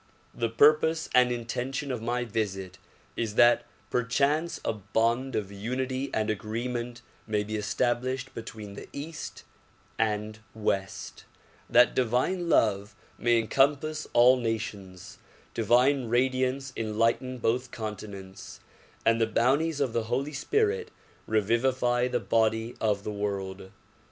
The purpose and inten tion of my visit is that perchance a bond of unity and agreement may be established between the east and west, that divine love may encompass all nations, divine radiance enlighten both con tinents and the bounties of the Holy Spirit revivify the body of the world.